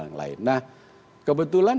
yang lain nah kebetulan